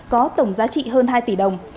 có tổng giá trị hơn hai tỷ đồng